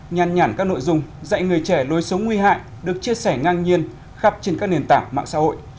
nhàn nhản các nội dung dạy người trẻ lối sống nguy hại được chia sẻ ngang nhiên khắp trên các nền tảng mạng xã hội